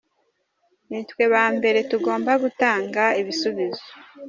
Ni twe ba mbere tugomba gutanga ibisubizo.